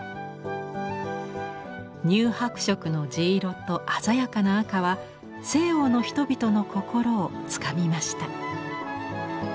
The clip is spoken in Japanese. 乳白色の地色と鮮やかな赤は西欧の人々の心をつかみました。